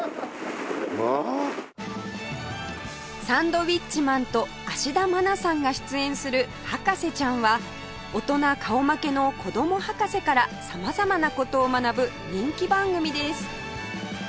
サンドウィッチマンと芦田愛菜さんが出演する『博士ちゃん』は大人顔負けの子供博士から様々な事を学ぶ人気番組です